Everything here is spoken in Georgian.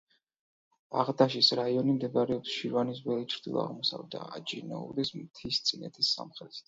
აღდაშის რაიონი მდებარეობს შირვანის ველის ჩრდილო-აღმოსავლეთით და აჯინოურის მთისწინეთის სამხრეთით.